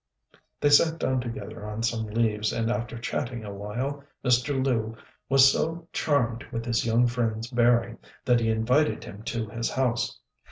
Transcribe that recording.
They sat down together on some leaves, and after chatting awhile Mr. Lu was so charmed with his young friend's bearing that he invited him to his house.